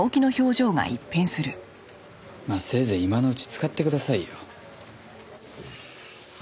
まあせいぜい今のうち使ってくださいよ。